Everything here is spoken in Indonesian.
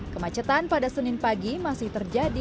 kemacetan pada senin pagi masih terjadi